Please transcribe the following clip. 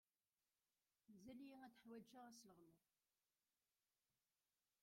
Mazal-iyi ḥwajeɣ ad sleɣmuɣ.